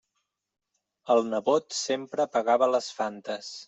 El nebot sempre pagava les Fantes.